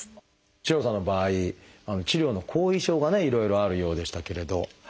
四郎さんの場合治療の後遺症がねいろいろあるようでしたけれど。